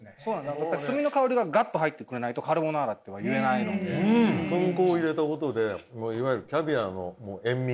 やっぱり炭の香りがガッと入ってくれないとカルボナーラとは言えないので薫香を入れたことでいわゆるキャビアの塩み